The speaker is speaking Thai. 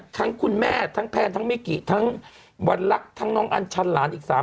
คุณแม่ทั้งแพนทั้งมิกิทั้งวันลักษณ์ทั้งน้องอัญชันหลานอีก๓๐